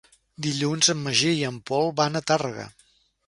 Dilluns en Magí i en Pol van a Tàrrega.